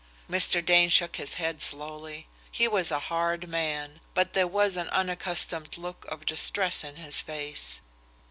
Mr. Dane shook his head slowly. He was a hard man, but there was an unaccustomed look of distress in his face.